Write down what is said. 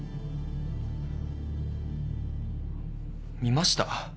見ました。